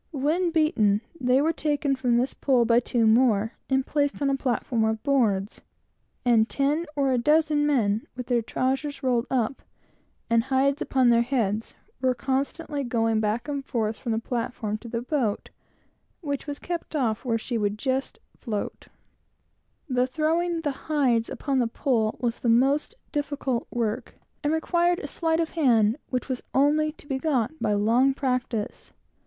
When beaten, they were taken from this pole by two more, and placed upon a platform of boards; and ten or a dozen men, with their trowsers rolled up, were constantly going, back and forth, from the platform to the boat, which was kept off where she would just float, with the hides upon their heads. The throwing the hides upon the pole was the most difficult work, and required a sleight of hand which was only to be got by long practice.